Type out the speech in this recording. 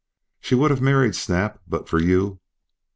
"She would have married Snap but for you."